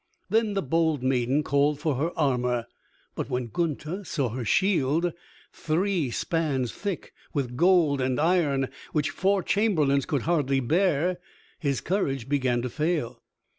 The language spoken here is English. Then the bold maiden called for her armor, but when Gunther saw her shield, "three spans thick with gold and iron, which four chamberlains could hardly bear," his courage began to fail.